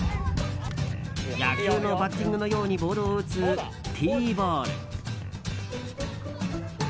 野球のバッティングのようにボールを打つＴボール。